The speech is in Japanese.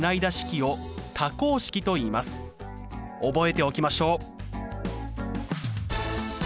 覚えておきましょう。